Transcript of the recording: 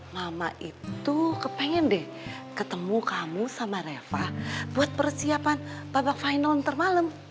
mama itu kepengen deh ketemu kamu sama reva buat persiapan babak final ntar malam